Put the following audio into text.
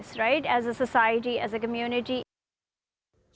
sebagai masyarakat sebagai komunitas